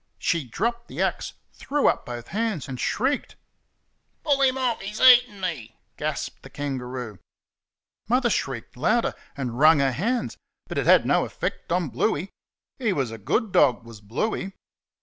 She dropped the axe, threw up both hands, and shrieked. "Pull him off! he's eating me!" gasped the kangaroo. Mother shrieked louder, and wrung her hands; but it had no effect on Bluey. He was a good dog, was Bluey!